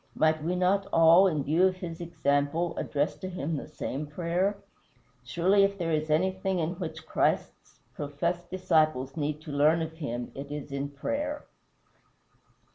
Might we not all, in view of his example, address to him the same prayer? Surely if there is anything in which Christ's professed disciples need to learn of him it is in prayer.